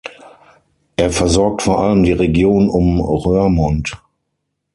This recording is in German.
Er versorgt vor allem die Region um Roermond.